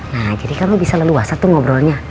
nah jadi kan lo bisa luasa tuh ngobrolnya